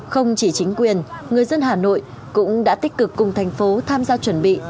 không chỉ chính quyền người dân hà nội cũng đã tích cực cùng thành phố tham gia chuẩn bị